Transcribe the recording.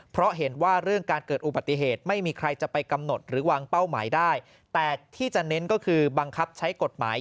โปรดติดตามตอนต่อไป